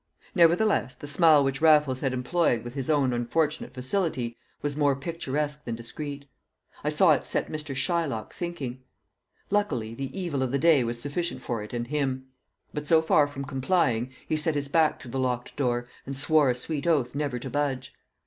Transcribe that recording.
Nevertheless, the simile which Raffles had employed with his own unfortunate facility was more picturesque than discreet. I saw it set Mr. Shylock thinking. Luckily, the evil of the day was sufficient for it and him; but so far from complying, he set his back to the locked door and swore a sweet oath never to budge.